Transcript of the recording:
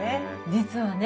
実はね